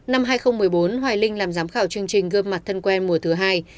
năm hai nghìn một mươi bốn hoài linh làm giám khảo chương trình gương mặt thân quen mùa thứ hai